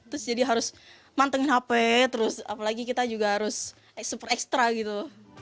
terus jadi harus mantengin hp terus apalagi kita juga harus ekstra gitu